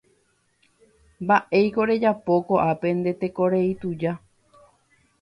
Mba'éiko rejapo ko'ápe nde tekorei tuja.